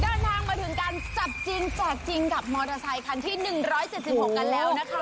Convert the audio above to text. เดินทางมาถึงการจับจริงแจกจริงกับมอเตอร์ไซคันที่๑๗๖กันแล้วนะคะ